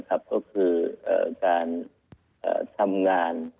ก็คือการทำงาน